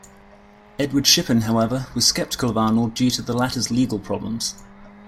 Edward Shippen, however, was skeptical of Arnold due to the latter's legal problems.